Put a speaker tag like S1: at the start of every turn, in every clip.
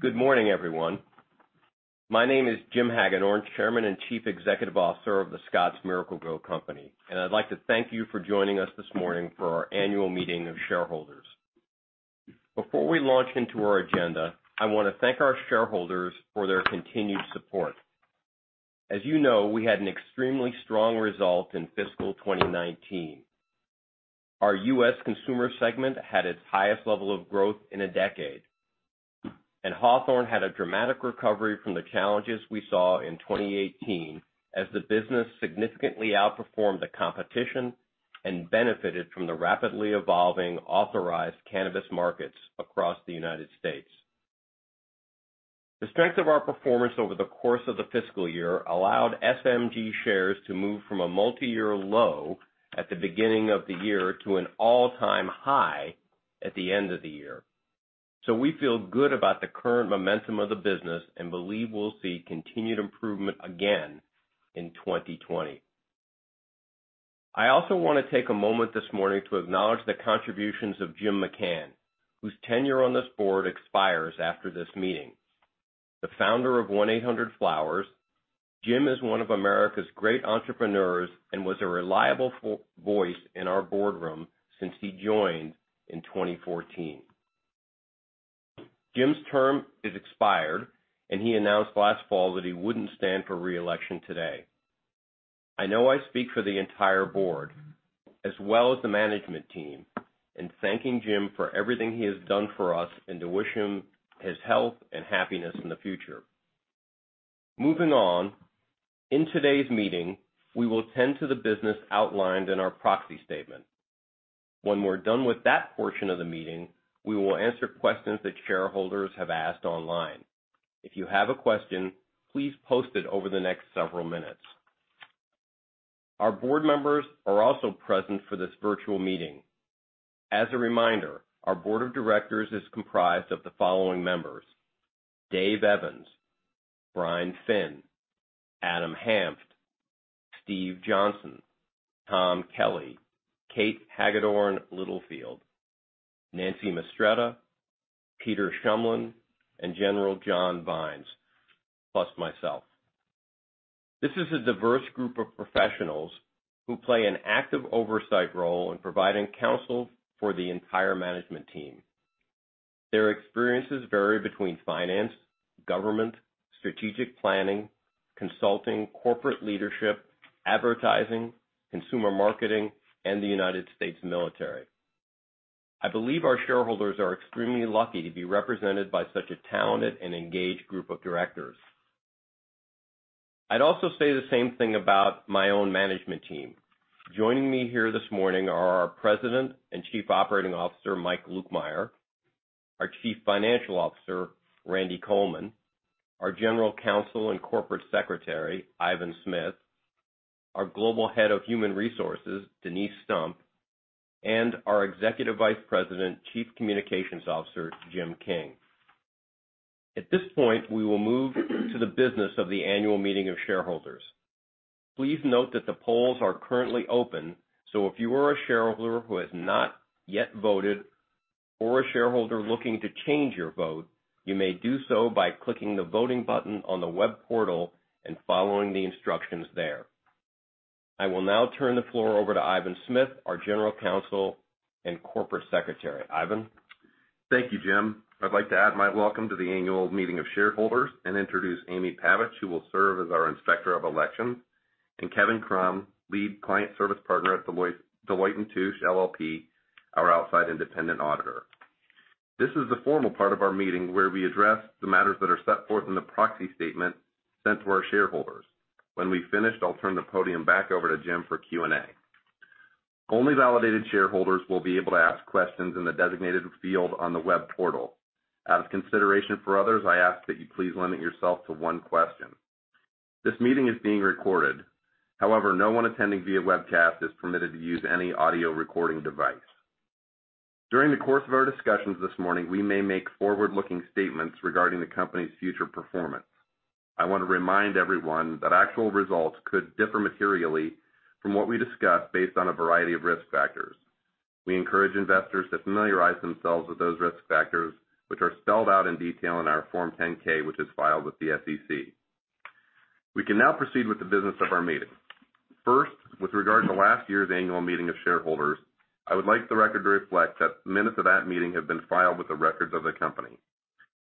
S1: Good morning, everyone. My name is James Hagedorn, Chairman and Chief Executive Officer of The Scotts Miracle-Gro Company, and I'd like to thank you for joining us this morning for our annual meeting of shareholders. Before we launch into our agenda, I want to thank our shareholders for their continued support. As you know, we had an extremely strong result in fiscal 2019. Our U.S. consumer segment had its highest level of growth in a decade, and Hawthorne had a dramatic recovery from the challenges we saw in 2018 as the business significantly outperformed the competition and benefited from the rapidly evolving authorized cannabis markets across the United States. The strength of our performance over the course of the fiscal year allowed The Scotts Miracle-Gro Company shares to move from a multi-year low at the beginning of the year to an all-time high at the end of the year. We feel good about the current momentum of the business and believe we'll see continued improvement again in 2020. I also want to take a moment this morning to acknowledge the contributions of Jim King, whose tenure on this board expires after this meeting. The founder of 1-800-Flowers, Jim is one of America's great entrepreneurs and was a reliable voice in our boardroom since he joined in 2014. Jim's term is expired, and he announced last fall that he wouldn't stand for re-election today. I know I speak for the entire board, as well as the management team, in thanking Jim for everything he has done for us and to wish him his health and happiness in the future. Moving on. In today's meeting, we will tend to the business outlined in our proxy statement. When we're done with that portion of the meeting, we will answer questions that shareholders have asked online. If you have a question, please post it over the next several minutes. Our board members are also present for this virtual meeting. As a reminder, our board of directors is comprised of the following members: Dave Evans, Brian Finn, Adam Hanft, Steve Johnson, Tom Kelly, Kate Hagedorn Littlefield, Nancy Mistretta, Peter Shumlin, and General John Vines, plus myself. This is a diverse group of professionals who play an active oversight role in providing counsel for the entire management team. Their experiences vary between finance, government, strategic planning, consulting, corporate leadership, advertising, consumer marketing, and the U.S. military. I believe our shareholders are extremely lucky to be represented by such a talented and engaged group of directors. I'd also say the same thing about my own management team. Joining me here this morning are our President and Chief Operating Officer, Mike Lukemire, our Chief Financial Officer, Randy Coleman, our General Counsel and Corporate Secretary, Ivan Smith, our Global Head of Human Resources, Denise Stump, and our Executive Vice President, Chief Communications Officer, Jim King. At this point, we will move to the business of the annual meeting of shareholders. Please note that the polls are currently open, so if you are a shareholder who has not yet voted or a shareholder looking to change your vote, you may do so by clicking the voting button on the web portal and following the instructions there. I will now turn the floor over to Ivan Smith, our General Counsel and Corporate Secretary. Ivan?
S2: Thank you, James. I'd like to add my welcome to the annual meeting of shareholders and introduce Amy Pavich, who will serve as our Inspector of Elections, and Kevin Krumm, Lead Client Service Partner at Deloitte & Touche LLP, our outside independent auditor. This is the formal part of our meeting where we address the matters that are set forth in the proxy statement sent to our shareholders. When we've finished, I'll turn the podium back over to James for Q&A. Only validated shareholders will be able to ask questions in the designated field on the web portal. Out of consideration for others, I ask that you please limit yourself to one question. This meeting is being recorded. However, no one attending via webcast is permitted to use any audio recording device. During the course of our discussions this morning, we may make forward-looking statements regarding the company's future performance. I want to remind everyone that actual results could differ materially from what we discuss based on a variety of risk factors. We encourage investors to familiarize themselves with those risk factors, which are spelled out in detail in our Form 10-K, which is filed with the SEC. We can now proceed with the business of our meeting. First, with regard to last year's annual meeting of shareholders, I would like the record to reflect that minutes of that meeting have been filed with the records of the company.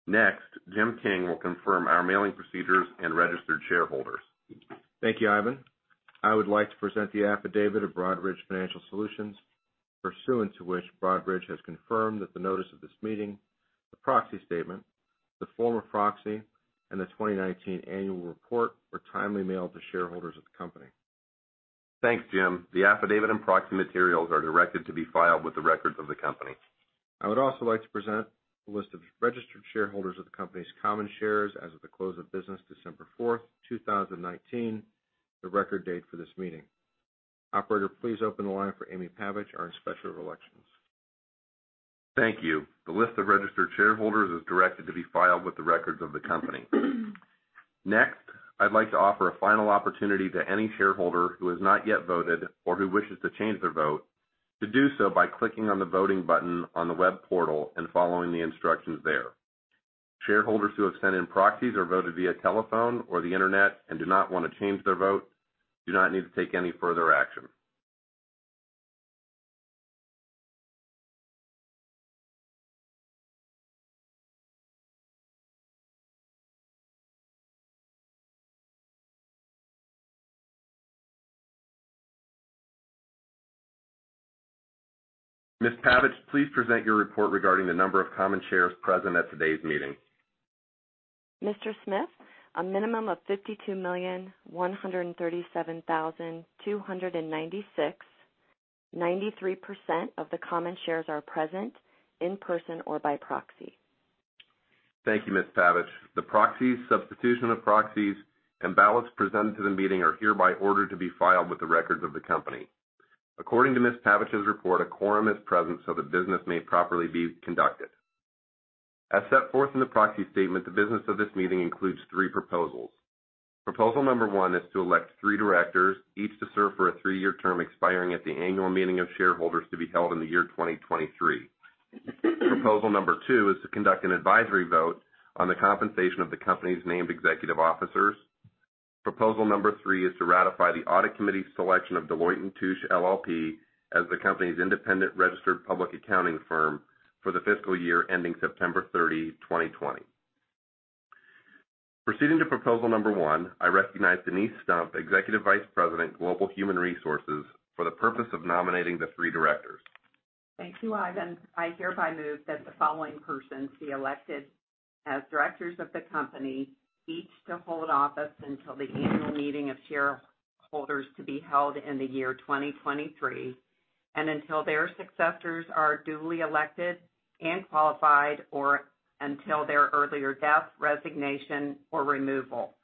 S2: Next, Jim King will confirm our mailing procedures and registered shareholders.
S3: Thank you, Ivan. I would like to present the affidavit of Broadridge Financial Solutions, pursuant to which Broadridge has confirmed that the notice of this meeting, the proxy statement, the form of proxy, and the 2019 annual report were timely mailed to shareholders of the company.
S2: Thanks, Jim. The affidavit and proxy materials are directed to be filed with the records of the company.
S3: I would also like to present the list of registered shareholders of the company's common shares as of the close of business December 4th, 2019, the record date for this meeting. Operator, please open the line for Amy Pavich, our Inspector of Elections.
S2: Thank you. The list of registered shareholders is directed to be filed with the records of the company. Next, I'd like to offer a final opportunity to any shareholder who has not yet voted or who wishes to change their vote to do so by clicking on the voting button on the web portal and following the instructions there. Shareholders who have sent in proxies or voted via telephone or the internet and do not want to change their vote do not need to take any further action. Ms. Pavich, please present your report regarding the number of common shares present at today's meeting.
S4: Mr. Smith, a minimum of 52,137,296, 93% of the common shares are present in person or by proxy.
S2: Thank you, Ms. Pavich. The proxies, substitution of proxies, and ballots presented to the meeting are hereby ordered to be filed with the records of the company. According to Ms. Pavich's report, a quorum is present, so the business may properly be conducted. As set forth in the proxy statement, the business of this meeting includes three proposals. Proposal number one is to elect three directors, each to serve for a three-year term expiring at the annual meeting of shareholders to be held in the year 2023. Proposal number two is to conduct an advisory vote on the compensation of the company's named executive officers. Proposal number three is to ratify the Audit Committee's selection of Deloitte & Touche LLP as the company's independent registered public accounting firm for the fiscal year ending September 30, 2020. Proceeding to proposal number one, I recognize Denise Stump, Executive Vice President, Global Human Resources, for the purpose of nominating the three directors.
S5: Thank you, Ivan. I hereby move that the following persons be elected as directors of the company, each to hold office until the annual meeting of shareholders to be held in the year 2023 and until their successors are duly elected and qualified or until their earlier death, resignation, or removal.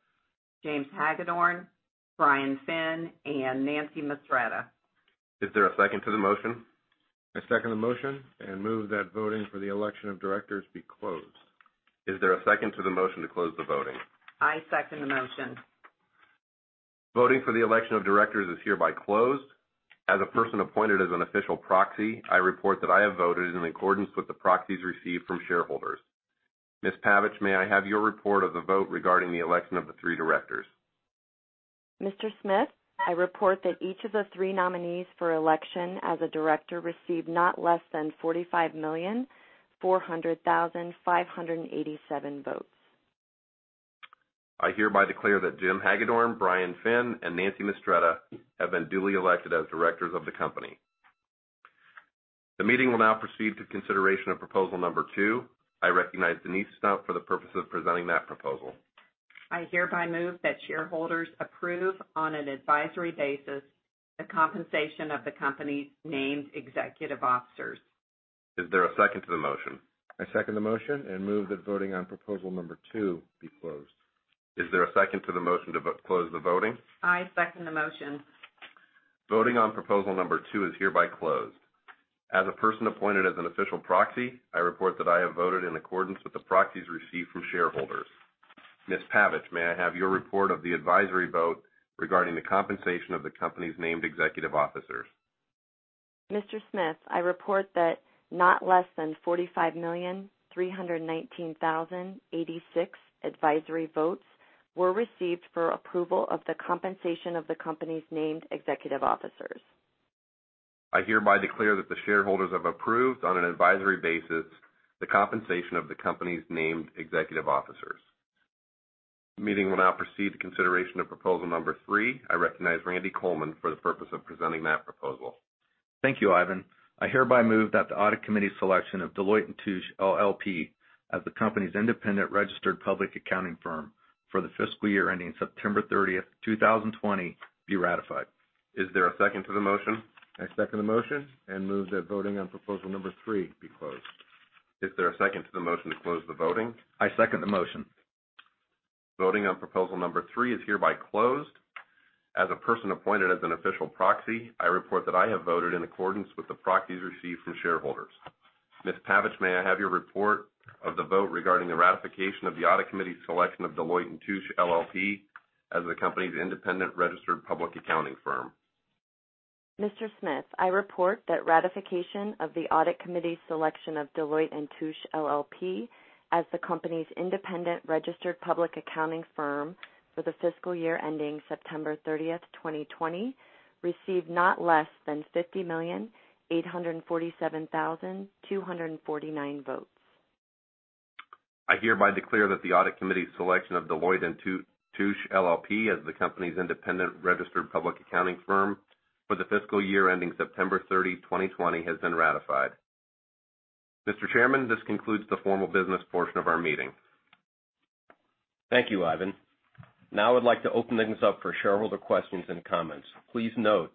S5: James Hagedorn, Brian Finn, and Nancy Mistretta.
S2: Is there a second to the motion?
S3: I second the motion and move that voting for the election of directors be closed.
S2: Is there a second to the motion to close the voting?
S5: I second the motion.
S2: Voting for the election of directors is hereby closed. As a person appointed as an official proxy, I report that I have voted in accordance with the proxies received from shareholders. Ms. Pavich, may I have your report of the vote regarding the election of the three directors?
S4: Mr. Smith, I report that each of the three nominees for election as a director received not less than 45,400,587 votes.
S2: I hereby declare that James Hagedorn, Brian Finn, and Nancy Mistretta have been duly elected as directors of the company. The meeting will now proceed to consideration of proposal number two. I recognize Denise Stump for the purpose of presenting that proposal.
S5: I hereby move that shareholders approve, on an an advisory basis, the compensation of the company's named executive officers.
S2: Is there a second to the motion?
S3: I second the motion and move that voting on proposal number two be closed.
S2: Is there a second to the motion to close the voting?
S5: I second the motion.
S2: Voting on proposal number 2 is hereby closed. As a person appointed as an official proxy, I report that I have voted in accordance with the proxies received from shareholders. Ms. Pavich, may I have your report of the advisory vote regarding the compensation of the company's named executive officers?
S4: Mr. Smith, I report that not less than 45,319,086 advisory votes were received for approval of the compensation of the company's named executive officers.
S2: I hereby declare that the shareholders have approved, on an advisory basis, the compensation of the company's named executive officers. The meeting will now proceed to consideration of proposal number three. I recognize Randy Coleman for the purpose of presenting that proposal.
S6: Thank you, Ivan. I hereby move that the audit committee's selection of Deloitte & Touche LLP as the company's independent registered public accounting firm for the fiscal year ending September thirtieth, 2020, be ratified.
S2: Is there a second to the motion?
S3: I second the motion and move that voting on proposal number three be closed.
S2: Is there a second to the motion to close the voting?
S6: I second the motion.
S2: Voting on proposal number three is hereby closed. As a person appointed as an official proxy, I report that I have voted in accordance with the proxies received from shareholders. Ms. Pavich, may I have your report of the vote regarding the ratification of the audit committee's selection of Deloitte & Touche LLP as the company's independent registered public accounting firm?
S4: Mr. Smith, I report that ratification of the audit committee's selection of Deloitte & Touche LLP as the company's independent registered public accounting firm for the fiscal year ending September 30, 2020, received not less than 50,847,249 votes.
S2: I hereby declare that the audit committee's selection of Deloitte & Touche LLP as the company's independent registered public accounting firm for the fiscal year ending September 30, 2020, has been ratified. Mr. Chairman, this concludes the formal business portion of our meeting. Thank you, Ivan. Now I'd like to open things up for shareholder questions and comments. Please note,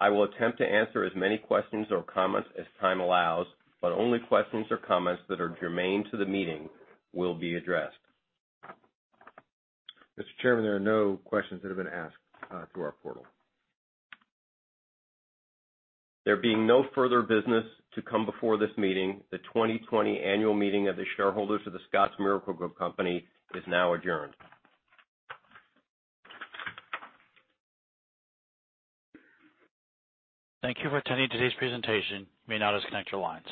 S2: I will attempt to answer as many questions or comments as time allows, but only questions or comments that are germane to the meeting will be addressed.
S3: Mr. Chairman, there are no questions that have been asked through our portal.
S2: There being no further business to come before this meeting, the 2020 annual meeting of the shareholders of The Scotts Miracle-Gro Company is now adjourned.
S7: Thank you for attending today's presentation. You may now disconnect your lines.